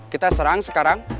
kita serang sekarang